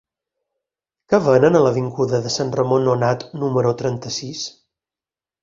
Què venen a l'avinguda de Sant Ramon Nonat número trenta-sis?